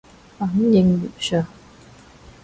反應如上